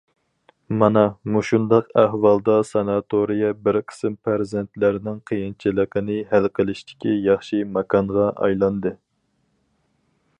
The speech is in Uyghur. مانا مۇشۇنداق ئەھۋالدا ساناتورىيە بىر قىسىم پەرزەنتلەرنىڭ قىيىنچىلىقىنى ھەل قىلىشتىكى ياخشى ماكانغا ئايلاندى.